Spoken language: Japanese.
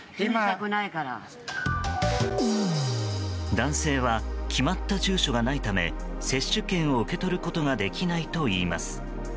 男性は決まった住所がないため接種券を受け取ることができないといいます。